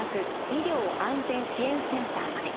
医療安全支援センターまで。